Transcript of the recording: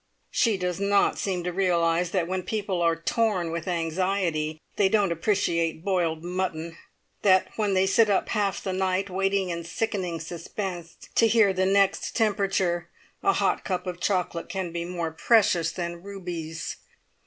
She does not seem to realise that when people are torn with anxiety they don't appreciate boiled mutton; and that when they sit up half the night, waiting in sickening suspense to hear the next temperature, a hot cup of chocolate can be more precious than rubies.